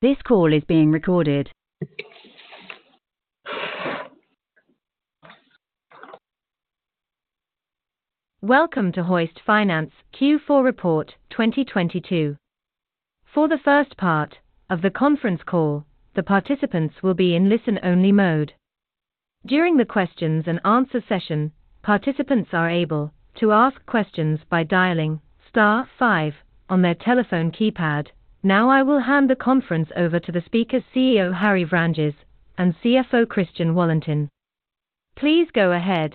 This call is being recorded. Welcome to Hoist Finance Q4 report 2022. For the first part of the conference call, the participants will be in listen-only mode. During the questions-and-answer session, participants are able to ask questions by dialing star five on their telephone keypad. I will hand the conference over to the speakers CEO Harry Vranjes, and CFO Christian Wallentin. Please go ahead.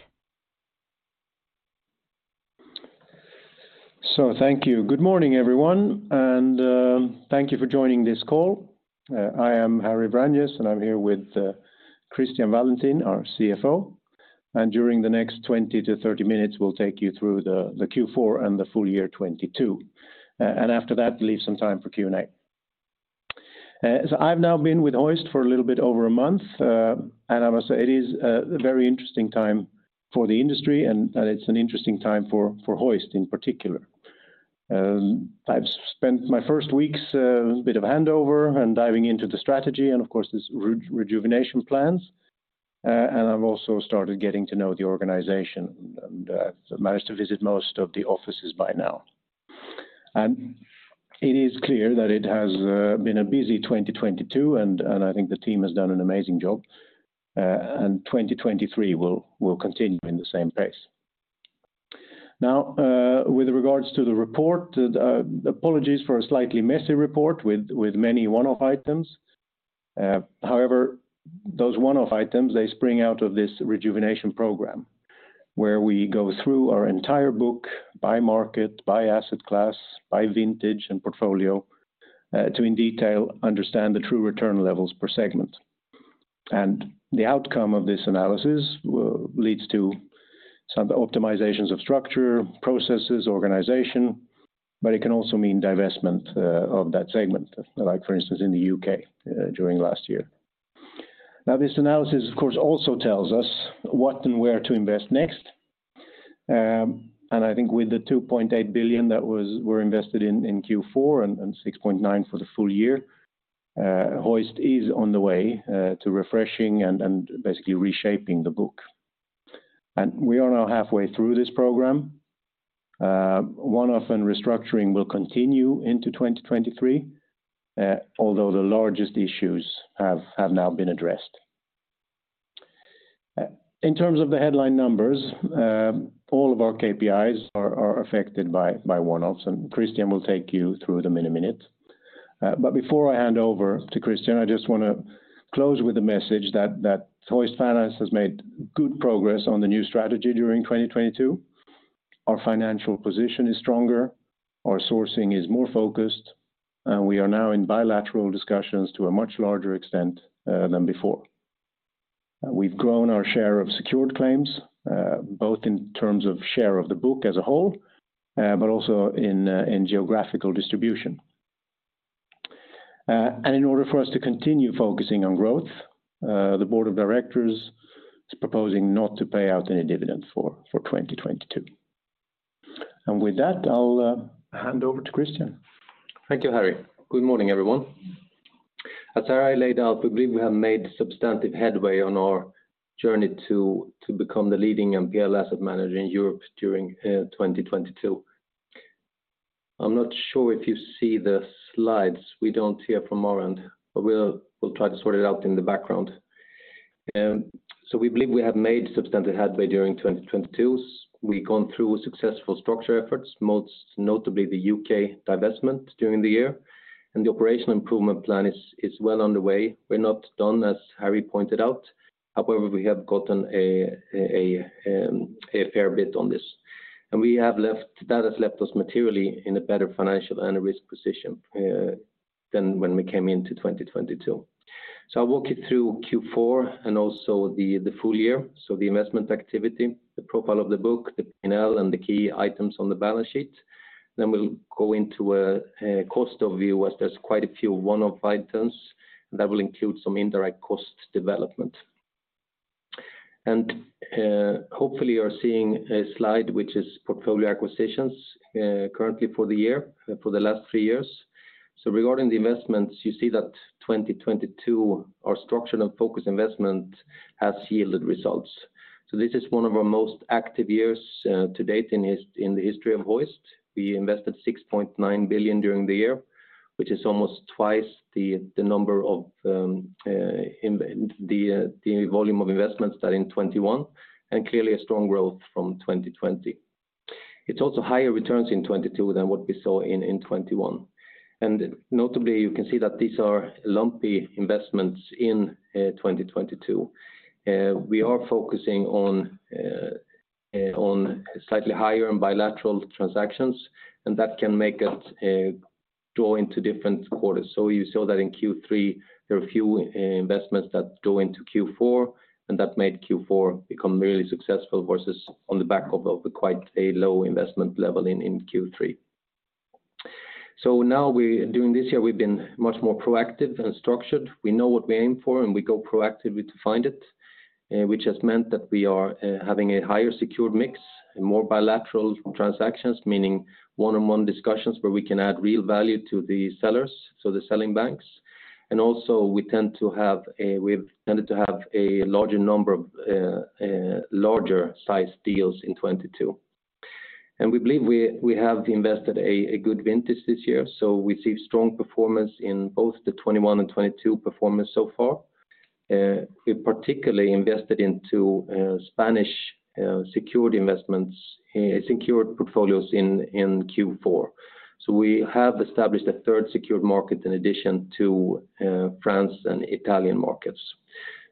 Thank you. Good morning, everyone, thank you for joining this call. I am Harry Vranjes, and I'm here with Christian Wallentin, our CFO. During the next 20-30 minutes, we'll take you through the Q4 and the full year 2022. After that, leave some time for Q&A. I've now been with Hoist for a little bit over a month, and I must say it is a very interesting time for the industry and it's an interesting time for Hoist in particular. I've spent my first weeks, bit of handover and diving into the strategy and of course this rejuvenation plans. I've also started getting to know the organization and managed to visit most of the offices by now. It is clear that it has been a busy 2022, and I think the team has done an amazing job. 2023 will continue in the same pace. Now, with regards to the report, apologies for a slightly messy report with many one-off items. However, those one-off items, they spring out of this Rejuvenation Programme where we go through our entire book by market, by asset class, by vintage and portfolio to in detail understand the true return levels per segment. The outcome of this analysis leads to some optimizations of structure, processes, organization, but it can also mean divestment of that segment, like for instance, in the U.K. during last year. Now, this analysis of course also tells us what and where to invest next. I think with the 2.8 billion that were invested in Q4 and 6.9 billion for the full year, Hoist is on the way to refreshing and basically reshaping the book. We are now halfway through this program. One-off and restructuring will continue into 2023, although the largest issues have now been addressed. In terms of the headline numbers, all of our KPIs are affected by one-offs, Christian will take you through them in a minute. Before I hand over to Christian, I just wanna close with a message that Hoist Finance has made good progress on the new strategy during 2022. Our financial position is stronger, our sourcing is more focused, we are now in bilateral discussions to a much larger extent than before. We've grown our share of secured claims, both in terms of share of the book as a whole, but also in geographical distribution. In order for us to continue focusing on growth, the board of directors is proposing not to pay out any dividend for 2022. With that, I'll hand over to Christian. Thank you, Harry. Good morning, everyone. As Harry laid out, we believe we have made substantive headway on our journey to become the leading NPL asset manager in Europe during 2022. I'm not sure if you see the slides. We don't here from our end, but we'll try to sort it out in the background. We believe we have made substantive headway during 2022. We've gone through successful structure efforts, most notably the U.K. divestment during the year. The operational improvement plan is well underway. We're not done, as Harry pointed out. However, we have gotten a fair bit on this. That has left us materially in a better financial and a risk position than when we came into 2022. I'll walk you through Q4 and also the full year. The investment activity, the profile of the book, the P&L, and the key items on the balance sheet. We'll go into a cost overview as there's quite a few one-off items that will include some indirect cost development. Hopefully you're seeing a slide which is portfolio acquisitions currently for the year for the last three years. Regarding the investments, you see that 2022, our structural and focus investment has yielded results. This is one of our most active years to date in the history of Hoist. We invested 6.9 billion during the year, which is almost twice the number of in the volume of investments that in 2021, and clearly a strong growth from 2020. It's also higher returns in 2022 than what we saw in 2021. Notably, you can see that these are lumpy investments in 2022. We are focusing on slightly higher and bilateral transactions, and that can make us draw into different quarters. You saw that in Q3, there are a few investments that go into Q4, and that made Q4 become really successful versus on the back of a, quite a low investment level in Q3. During this year, we've been much more proactive and structured. We know what we aim for, and we go proactively to find it. Which has meant that we are having a higher secured mix and more bilateral transactions, meaning one-on-one discussions where we can add real value to the sellers, so the selling banks. Also, we've tended to have a larger number of larger size deals in 2022. We believe we have invested a good vintage this year, so we see strong performance in both the 2021 and 2022 performance so far. We particularly invested into Spanish security investments, secured portfolios in Q4. We have established a third secured market in addition to France and Italian markets.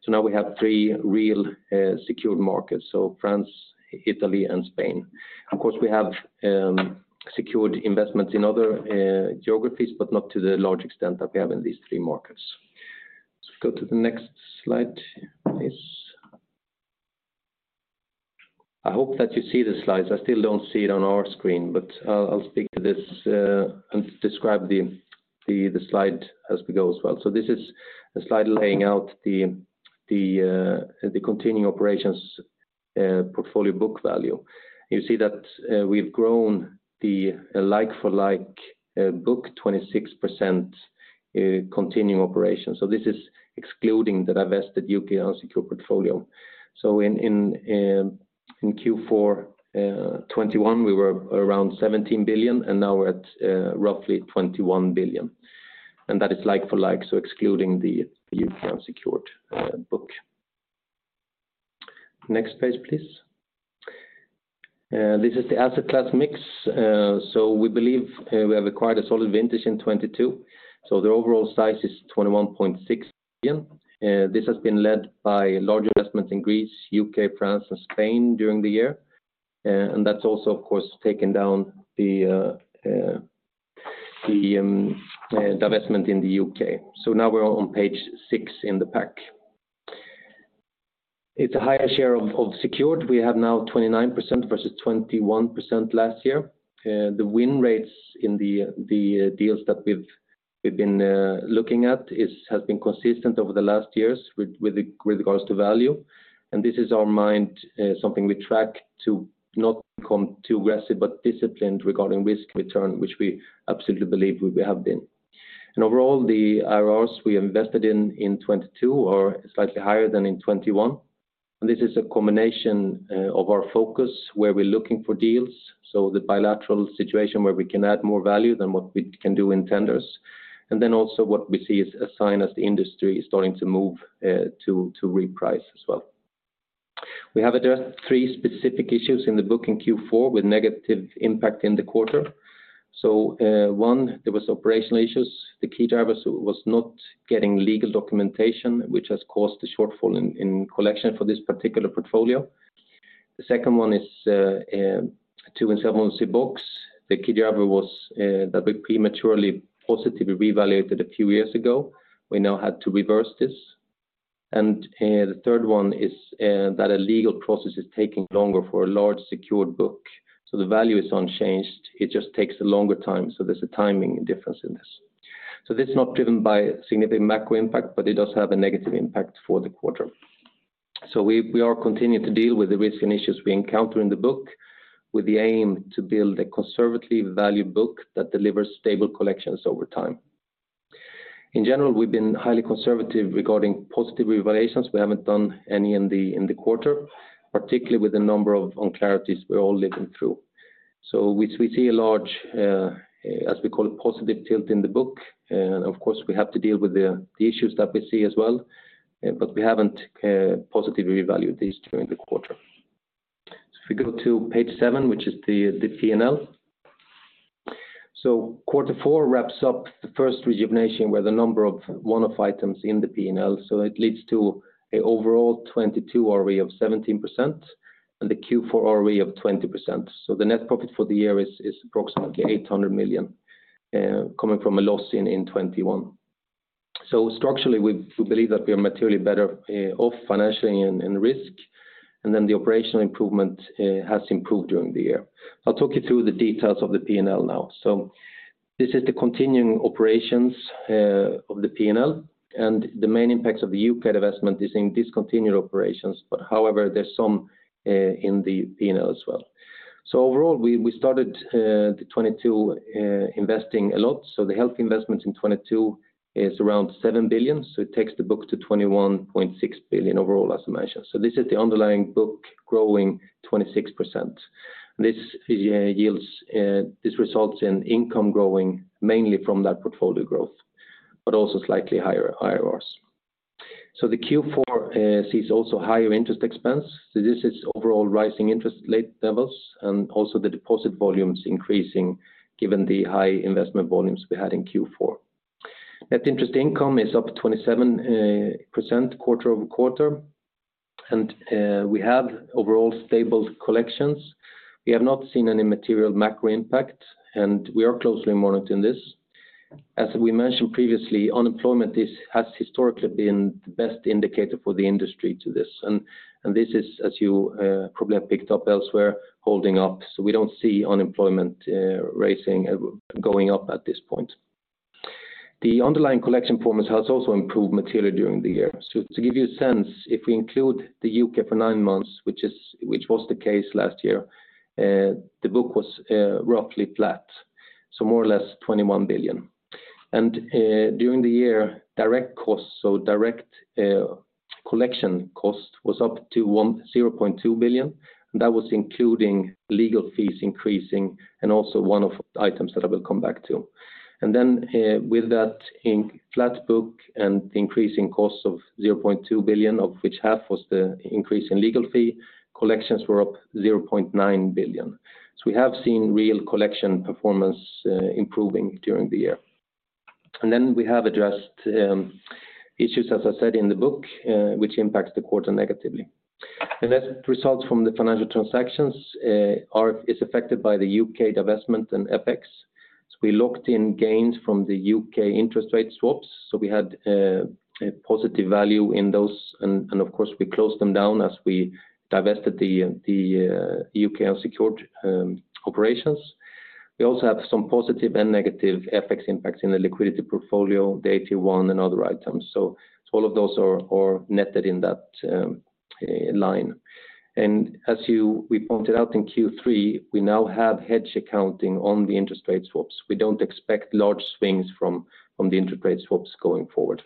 Now we have three real secured markets: France, Italy and Spain. Of course, we have secured investments in other geographies, but not to the large extent that we have in these three markets. Go to the next slide, please. I hope that you see the slides. I still don't see it on our screen, but I'll speak to this and describe the slide as we go as well. This is a slide laying out the continuing operations portfolio book value. You see that we've grown the like for like book 26% continuing operations. This is excluding the divested U.K. unsecured portfolio. In Q4 2021, we were around 17 billion, and now we're at roughly 21 billion. That is like for like, excluding the U.K. unsecured book. Next page, please. This is the asset class mix. We believe we have acquired a solid vintage in 2022, the overall size is 21.6 billion. This has been led by large investments in Greece, U.K., France and Spain during the year. That's also of course taken down the divestment in the U.K. Now we're on Page six in the pack. It's a higher share of secured. We have now 29% versus 21% last year. The win rates in the deals that we've been looking at has been consistent over the last years with regards to value. This is our mind, something we track to not become too aggressive, but disciplined regarding risk return, which we absolutely believe we have been. Overall, the IRRs we invested in 2022 are slightly higher than in 2021. This is a combination of our focus, where we're looking for deals, so the bilateral situation where we can add more value than what we can do in tenders. Also what we see is a sign as the industry is starting to move to reprice as well. We have addressed three specific issues in the book in Q4 with negative impact in the quarter. One, there was operational issues. The key driver so was not getting legal documentation, which has caused a shortfall in collection for this particular portfolio. The second one is two in seven CBOX. The key driver was that we prematurely positively revaluated a few years ago. We now had to reverse this. The third one is that a legal process is taking longer for a large secured book. The value is unchanged, it just takes a longer time, so there's a timing difference in this. This is not driven by significant macro impact, but it does have a negative impact for the quarter. We are continuing to deal with the risk and issues we encounter in the book with the aim to build a conservative value book that delivers stable collections over time. In general, we've been highly conservative regarding positive revaluations. We haven't done any in the quarter, particularly with the number of unclarities we're all living through. We see a large, as we call it, Positive Tilt in the book. Of course, we have to deal with the issues that we see as well, but we haven't positively revalued these during the quarter. If we go to Page seven, which is the P&L. Q4 wraps up the first Rejuvenation where the number of one-off items in the P&L, so it leads to a overall 2022 ROE of 17% and the Q4 ROE of 20%. The net profit for the year is approximately 800 million, coming from a loss in 2021. Structurally, we believe that we are materially better off financially and risk. The operational improvement has improved during the year. I'll talk you through the details of the P&L now. This is the continuing operations of the P&L., and the main impacts of the U.K. divestment is in discontinued operations. However, there's some in the P&L. as well. Overall, we started 2022 investing a lot. The health investments in 2022 is around 7 billion. It takes the book to 21.6 billion overall as I mentioned. This is the underlying book growing 26%. This results in income growing mainly from that portfolio growth, but also slightly higher IRRs. The Q4 sees also higher interest expense. This is overall rising interest rate levels and also the deposit volumes increasing given the high investment volumes we had in Q4. Net interest income is up 27% quarter-over-quarter. We have overall stable collections. We have not seen any material macro impact, and we are closely monitoring this. As we mentioned previously, unemployment has historically been the best indicator for the industry to this. This is, as you probably have picked up elsewhere, holding up. We don't see unemployment raising, going up at this point. The underlying collection performance has also improved materially during the year. To give you a sense, if we include the U.K. for nine months, which was the case last year, the book was roughly flat. More or less 21 billion. During the year, direct costs, so direct collection cost was up to 200 million, and that was including legal fees increasing and also one-off items that I will come back to. With that in flat book and increasing costs of 200 million, of which half was the increase in legal fee, collections were up 900 million. We have seen real collection performance improving during the year. We have addressed issues, as I said, in the book, which impacts the quarter negatively. Investment results from the financial transactions is affected by the U.K. divestment and FX. We locked in gains from the U.K. interest rate swaps, so we had a positive value in those and of course we closed them down as we divested the U.K. unsecured operations. We also have some positive and negative FX impacts in the liquidity portfolio, the AT1 and other items. All of those are netted in that line. As we pointed out in Q3, we now have hedge accounting on the interest rate swaps. We don't expect large swings from the interest rate swaps going forward.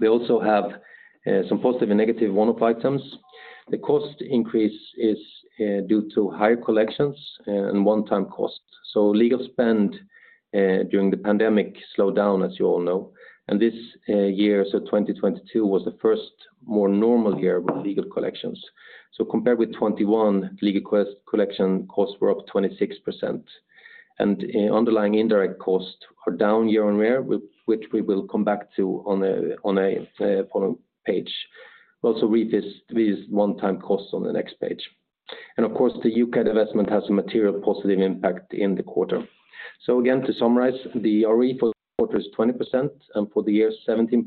We also have some positive and negative one-off items. The cost increase is due to higher collections and one-time costs. Legal spend during the pandemic slowed down, as you all know. This year, so 2022, was the first more normal year with legal collections. Compared with 2021, legal collection costs were up 26%. Underlying indirect costs are down year-on-year, which we will come back to on a following page. We'll also read these one-time costs on the next page. Of course, the U.K. divestment has a material positive impact in the quarter. Again, to summarize, the ROE for the quarter is 20% and for the year 17%,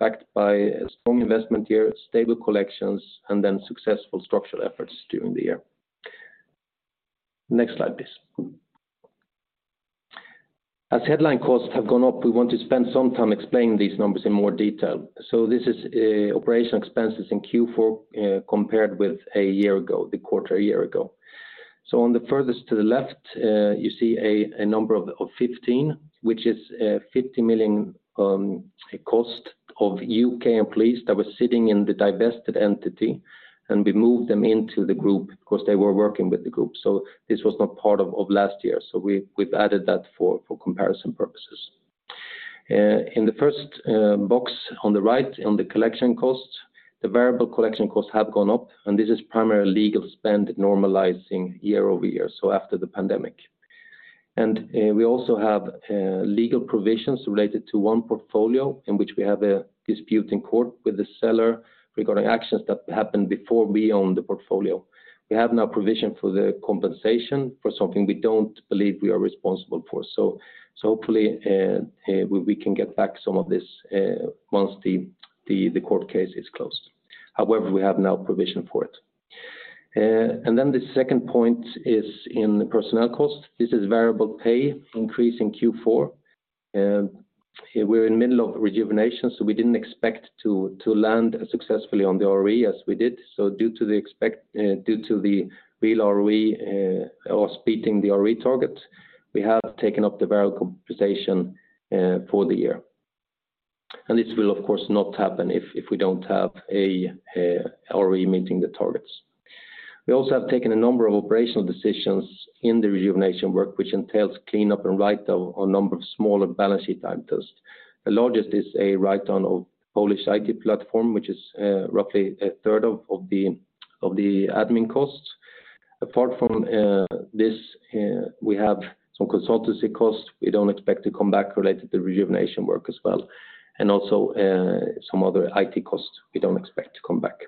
backed by a strong investment year, stable collections, and successful structural efforts during the year. Next slide, please. As headline costs have gone up, we want to spend some time explaining these numbers in more detail. This is operational expenses in Q4 compared with a year ago, the quarter a year ago. On the furthest to the left, you see a number of 15, which is 50 million cost of U.K. employees that were sitting in the divested entity, and we moved them into the group because they were working with the group. This was not part of last year. We've added that for comparison purposes. In the first box on the right, on the collection costs, the variable collection costs have gone up, this is primarily legal spend normalizing year-over-year after the pandemic. We also have legal provisions related to one portfolio in which we have a dispute in court with the seller regarding actions that happened before we owned the portfolio. We have now provisioned for the compensation for something we don't believe we are responsible for. Hopefully, we can get back some of this once the court case is closed. However, we have now provisioned for it. The second point is in the personnel costs. This is variable pay increase in Q4. We're in middle of rejuvenation, so we didn't expect to land successfully on the ROE as we did. Due to the real ROE, or beating the ROE target, we have taken up the variable compensation for the year. This will of course not happen if we don't have a ROE meeting the targets. We also have taken a number of operational decisions in the rejuvenation work, which entails cleanup and write-down on a number of smaller balance sheet items. The largest is a write-down of Polish IT platform, which is roughly a third of the admin costs. Apart from this, we have some consultancy costs we don't expect to come back related to rejuvenation work as well, and also some other IT costs we don't expect to come back.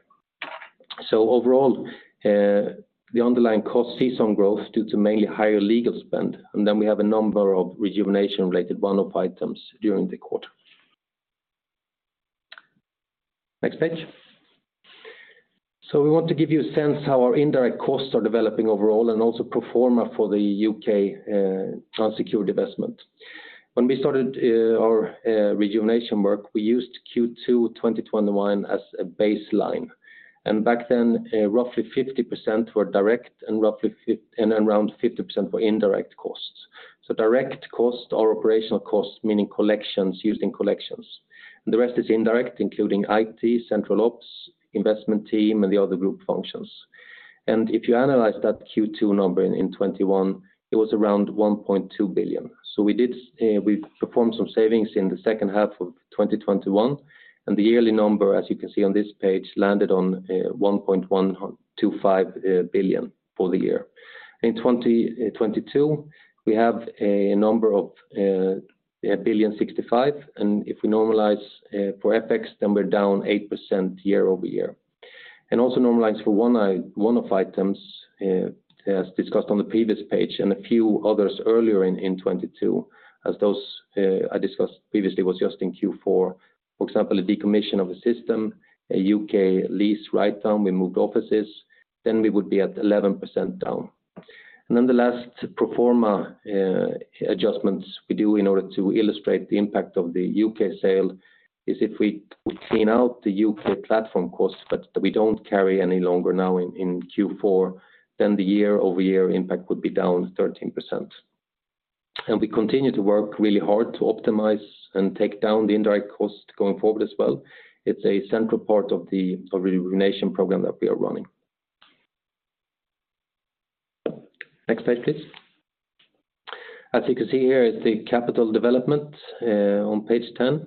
Overall, the underlying costs sees some growth due to mainly higher legal spend. We have a number of Rejuvenation related one-off items during the quarter. Next page. We want to give you a sense how our indirect costs are developing overall and also pro forma for the U.K. unsecured investment. When we started our Rejuvenation work, we used Q2 2021 as a baseline. Back then, roughly 50% were direct and around 50% were indirect costs. Direct costs are operational costs, meaning collections using collections. The rest is indirect, including IT, central ops, investment team, and the other group functions. If you analyze that Q2 number in 2021, it was around 1.2 billion. We performed some savings in the second half of 2021. The yearly number, as you can see on this page, landed on 1.125 billion for the year. In 2022, we have a number of 1.065 billion. If we normalize for FX, then we're down 8% year-over-year. Also normalized for one-off items, as discussed on the previous page and a few others earlier in 2022, as those I discussed previously was just in Q4, for example, a decommission of a system, a U.K. lease write-down, we moved offices, then we would be at 11% down. The last pro forma adjustments we do in order to illustrate the impact of the U.K. sale is if we clean out the U.K. platform costs that we don't carry any longer now in Q4, then the year-over-year impact would be down 13%. We continue to work really hard to optimize and take down the indirect cost going forward as well. It's a central part of the Rejuvenation Programme that we are running. Next page, please. As you can see here is the capital development on Page 10.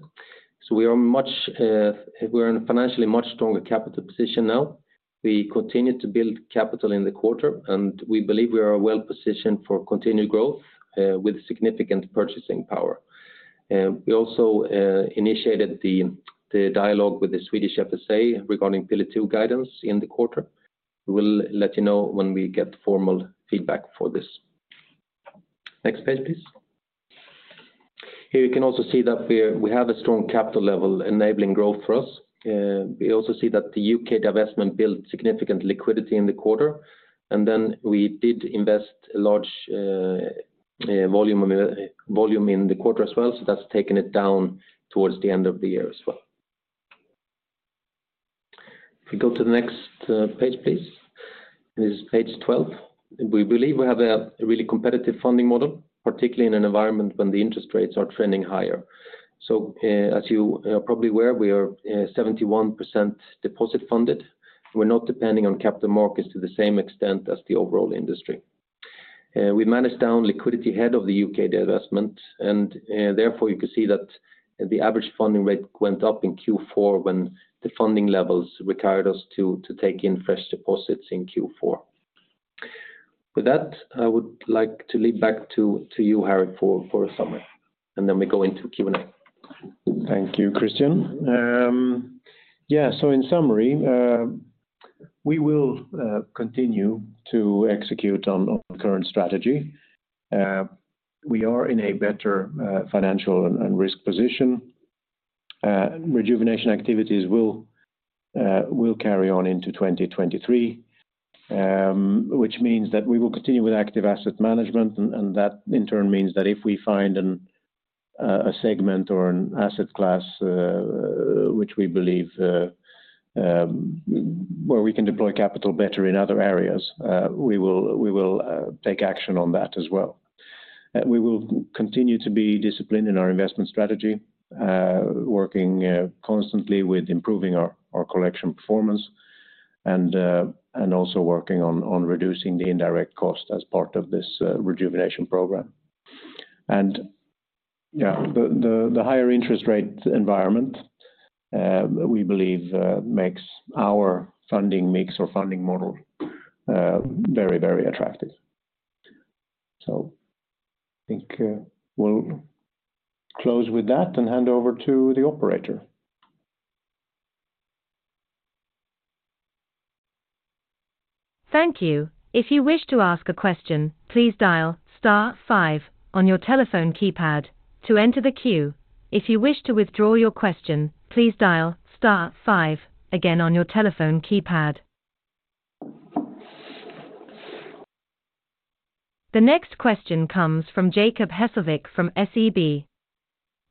We're in a financially much stronger capital position now. We continue to build capital in the quarter, and we believe we are well-positioned for continued growth with significant purchasing power. We also initiated the dialogue with the Swedish FSA regarding Pillar Two guidance in the quarter. We will let you know when we get formal feedback for this. Next page, please. Here, you can also see that we have a strong capital level enabling growth for us. We also see that the U.K. divestment built significant liquidity in the quarter, we did invest a large volume in the quarter as well, that's taken it down towards the end of the year as well. If we go to the next page, please. It is Page 12. We believe we have a really competitive funding model, particularly in an environment when the interest rates are trending higher. As you are probably aware, we are 71% deposit funded. We're not depending on capital markets to the same extent as the overall industry. We managed down liquidity ahead of the U.K. divestment, and therefore you can see that the average funding rate went up in Q4 when the funding levels required us to take in fresh deposits in Q4. With that, I would like to leave back to you, Harry, for a summary, and then we go into Q&A. Thank you, Christian. In summary, we will continue to execute on current strategy. We are in a better financial and risk position. Rejuvenation activities will carry on into 2023, which means that we will continue with active asset management. That in turn means that if we find a segment or an asset class which we believe where we can deploy capital better in other areas, we will take action on that as well. We will continue to be disciplined in our investment strategy, working constantly with improving our collection performance and also working on reducing the indirect cost as part of this Rejuvenation Programme. Yeah, the higher interest rate environment, we believe, makes our funding mix or funding model very attractive. I think, we'll close with that and hand over to the operator. Thank you. If you wish to ask a question, please dial star five on your telephone keypad to enter the queue. If you wish to withdraw your question, please dial star five again on your telephone keypad. The next question comes from Jacob Hesslevik from SEB.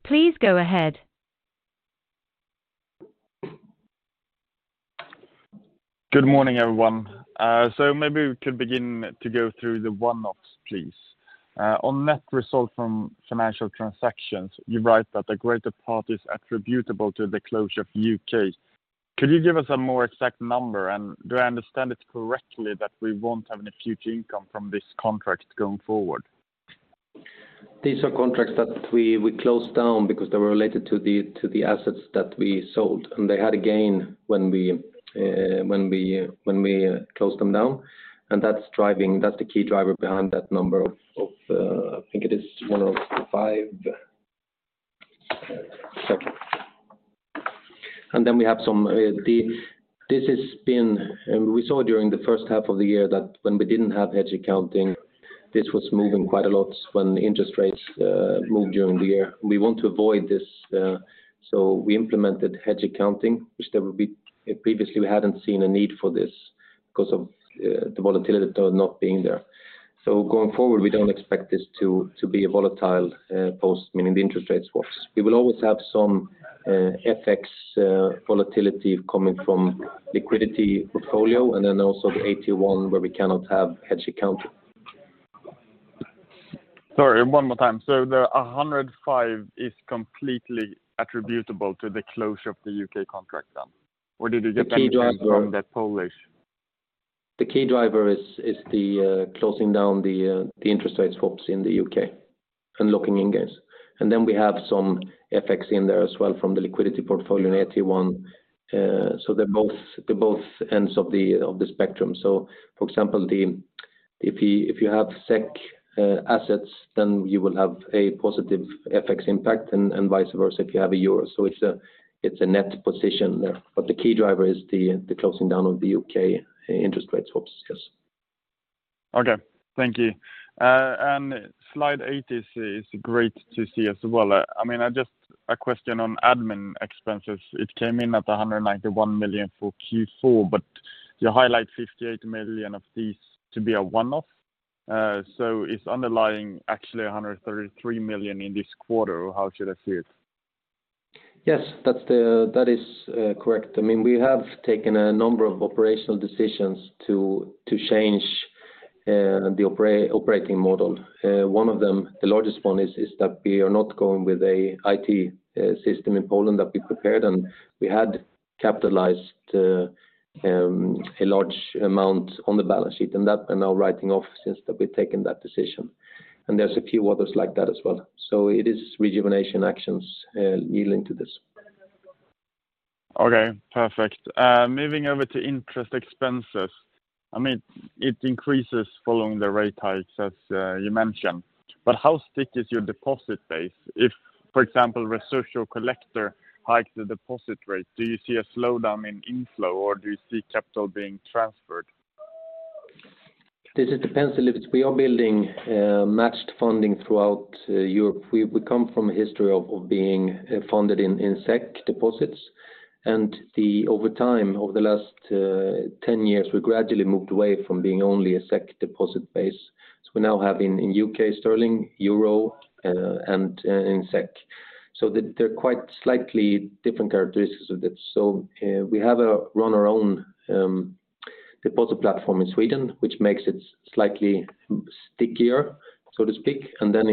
Please go ahead. Good morning, everyone. Maybe we could begin to go through the one-offs, please. On net result from financial transactions, you write that the greater part is attributable to the closure of U.K. Could you give us a more exact number? Do I understand it correctly that we won't have any future income from this contract going forward? These are contracts that we closed down because they were related to the assets that we sold, and they had a gain when we closed them down. That's the key driver behind that number of, I think it is 105. We saw during the first half of the year that when we didn't have hedge accounting, this was moving quite a lot when the interest rates moved during the year. We want to avoid this, so we implemented hedge accounting. Previously, we hadn't seen a need for this because of the volatility not being there. Going forward, we don't expect this to be a volatile post, meaning the interest rates for us. We will always have some FX volatility coming from liquidity portfolio and then also the AT1 where we cannot have hedge accounting. Sorry, one more time. The 105 is completely attributable to the closure of the U.K. contract then? Did you get anything from the Polish- The key driver is the closing down the interest rate swaps in the U.K. and locking in gains. We have some FX in there as well from the liquidity portfolio in AT1. They're both ends of the spectrum. For example, if you have SEK assets, then you will have a positive FX impact, and vice versa if you have a euros. It's a net position there. The key driver is the closing down of the U.K. interest rate swaps, yes. Okay. Thank you. Slide eight is great to see as well. I mean, a question on admin expenses. It came in at 191 million for Q4, but you highlight 58 million of these to be a one-off. It's underlying actually 133 million in this quarter, or how should I see it? Yes, that's the. That is correct. I mean, we have taken a number of operational decisions to change the operating model. One of them, the largest one is that we are not going with a IT system in Poland that we prepared, and we had capitalized a large amount on the balance sheet, and that we're now writing off since that we've taken that decision. There's a few others like that as well. It is rejuvenation actions leading to this. Okay. Perfect. Moving over to interest expenses. I mean, it increases following the rate hikes, as, you mentioned. How strict is your deposit base? If, for example, Resurs or Collector hike the deposit rate, do you see a slowdown in inflow, or do you see capital being transferred? This depends a little bit. We are building matched funding throughout Europe. We come from a history of being funded in SEK deposits. Over time, over the last 10 years, we gradually moved away from being only a SEK deposit base. We now have in U.K. sterling, euro, and in SEK. They're quite slightly different characteristics of this. We run our own deposit platform in Sweden, which makes it slightly stickier, so to speak. Then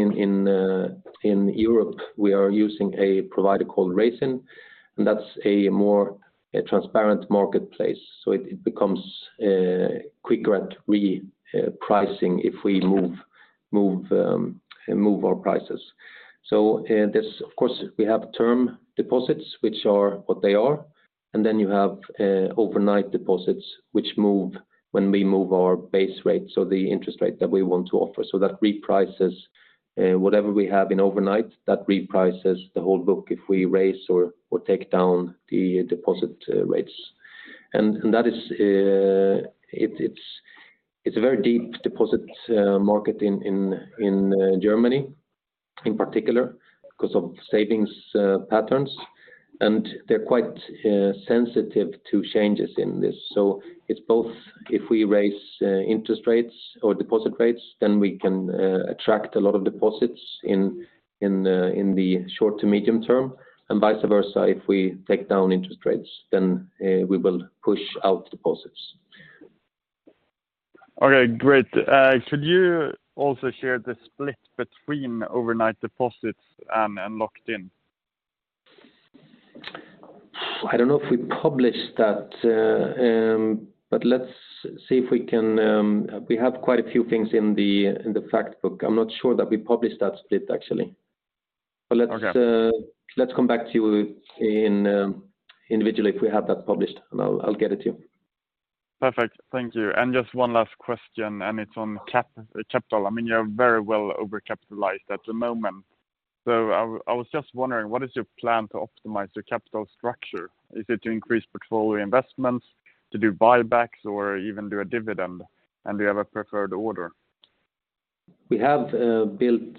in Europe, we are using a provider called Raisin, and that's a more transparent marketplace. It becomes quicker at pricing if we move our prices. This... Of course, we have term deposits, which are what they are, and then you have overnight deposits, which move when we move our base rates or the interest rate that we want to offer. That reprices whatever we have in overnight, that reprices the whole book if we raise or take down the deposit rates. That is, it's a very deep deposit market in Germany, in particular, because of savings patterns, and they're quite sensitive to changes in this. It's both if we raise interest rates or deposit rates, then we can attract a lot of deposits in the short to medium term. Vice versa, if we take down interest rates, then we will push out deposits. Okay, great. Should you also share the split between overnight deposits, and locked in? I don't know if we published that, but let's see if we can. We have quite a few things in the fact book. I'm not sure that we published that split, actually. Okay. Let's come back to you in, individually if we have that published, and I'll get it to you. Perfect. Thank you. Just one last question, and it's on capital. I mean, you're very well overcapitalized at the moment. I was just wondering, what is your plan to optimize your capital structure? Is it to increase portfolio investments, to do buybacks or even do a dividend? Do you have a preferred order? We have built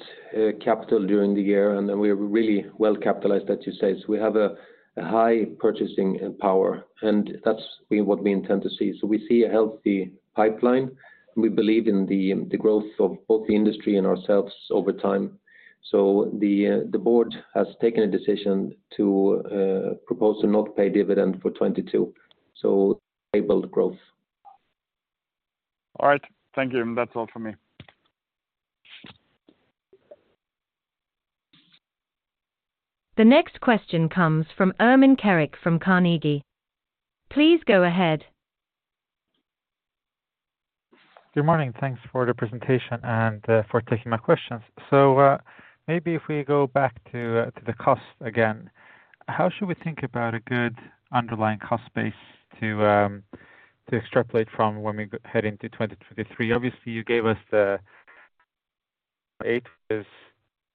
capital during the year, and we're really well capitalized, as you say. We have a high purchasing power, and that's what we intend to see. We see a healthy pipeline. We believe in the growth of both the industry and ourselves over time. The board has taken a decision to propose to not pay dividend for 2022, enable the growth. All right. Thank you. That's all for me. The next question comes from Ermin Keric from Carnegie. Please go ahead. Good morning. Thanks for the presentation and for taking my questions. Maybe if we go back to the cost again, how should we think about a good underlying cost base to extrapolate from when we head into 2023? Obviously, you gave us the eight. It's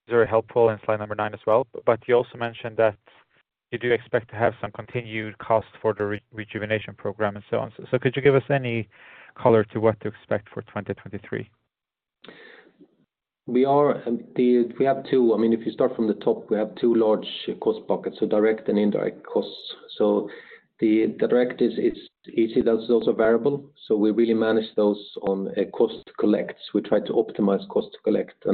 very helpful in Slide nine as well. You also mentioned that you do expect to have some continued cost for the Rejuvenation Programme and so on. Could you give us any color to what to expect for 2023? We have two. I mean, if you start from the top, we have two large cost buckets, so direct and indirect costs. The direct is easy. That's also variable. We really manage those on a cost to collect. We try to optimize cost to collect.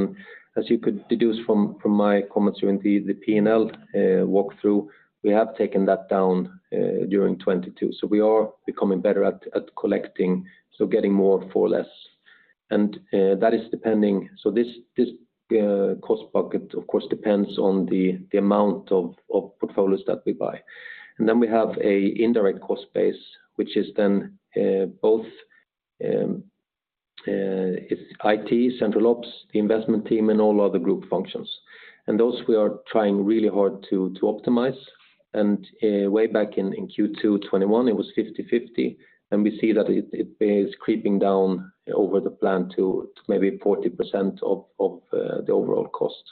As you could deduce from my comments during the P&L walkthrough, we have taken that down during 2022. We are becoming better at collecting, so getting more for less. This cost bucket, of course, depends on the amount of portfolios that we buy. Then we have an indirect cost base, which is then both, it's IT, central ops, the investment team, and all other group functions. Those we are trying really hard to optimize. Way back in Q2 2021, it was 50/50, and we see that it is creeping down over the plan to maybe 40% of the overall cost.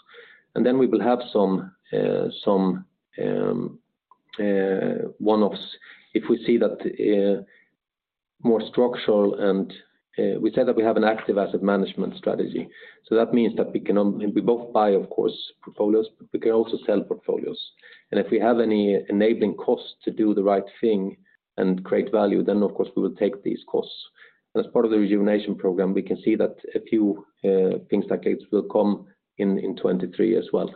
Then we will have some one-offs. If we see that more structural. We said that we have an active asset management strategy. That means that we can, we both buy, of course, portfolios, but we can also sell portfolios. If we have any enabling costs to do the right thing and create value, then of course we will take these costs. As part of the Rejuvenation Programme, we can see that a few things like gates will come in 2023 as well.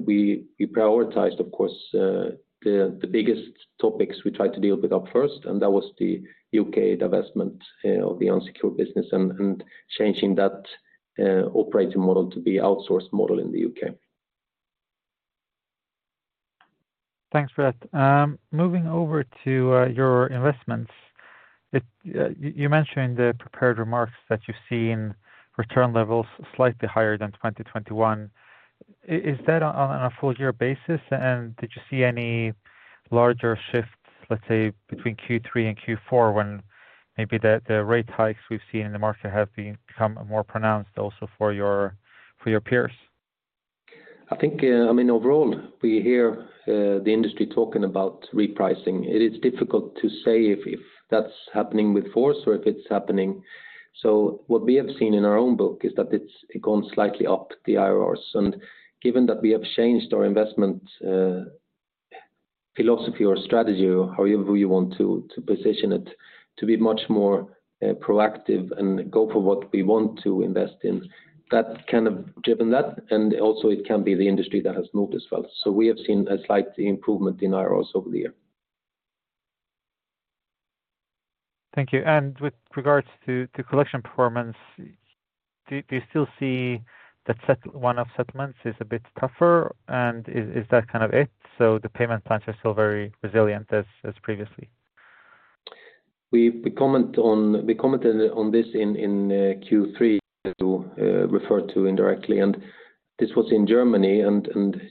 We prioritized, of course, the biggest topics we tried to deal with up first, and that was the U.K. divestment of the unsecured business and changing that operating model to be outsourced model in the U.K. Thanks for that. Moving over to your investments. You mentioned the prepared remarks that you've seen return levels slightly higher than 2021. Is that on a full year basis? Did you see any larger shifts, let's say, between Q3 and Q4 when maybe the rate hikes we've seen in the market have become more pronounced also for your peers? I think, I mean, overall, we hear the industry talking about repricing. It is difficult to say if that's happening with force or if it's happening. What we have seen in our own book is that it's gone slightly up the IRRs. Given that we have changed our investment philosophy or strategy or however you want to position it to be much more proactive and go for what we want to invest in, that kind of driven that. Also it can be the industry that has moved as well. We have seen a slight improvement in IRRs over the year. Thank you. With regards to collection performance, do you still see that one of settlements is a bit tougher, is that kind of it? The payment plans are still very resilient as previously. We commented on this in Q3 to refer to indirectly, and this was in Germany.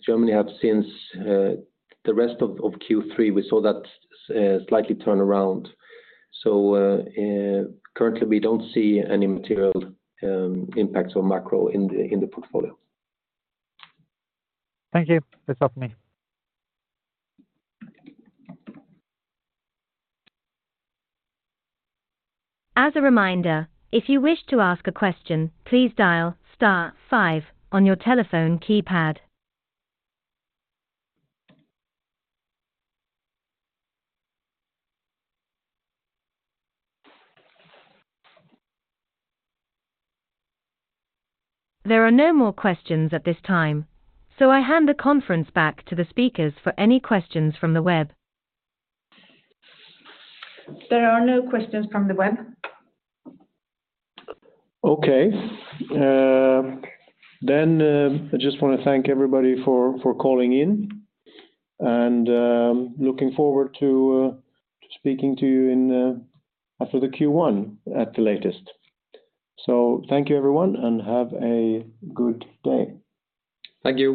Germany have since the rest of Q3, we saw that slightly turn around. Currently, we don't see any material impacts on macro in the portfolio. Thank you. That's all for me. As a reminder, if you wish to ask a question, please dial star five on your telephone keypad. There are no more questions at this time. I hand the conference back to the speakers for any questions from the web. There are no questions from the web. Okay. Then, I just wanna thank everybody for calling in and looking forward to speaking to you in after the Q1 at the latest. Thank you, everyone, and have a good day. Thank you.